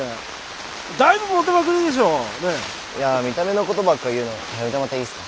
いや見た目のことばっか言うのやめてもらっていいですか。